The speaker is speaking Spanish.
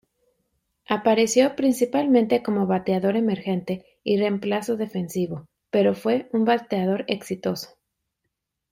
Apareció principalmente como bateador emergente y reemplazo defensivo, pero fue un bateador exitoso.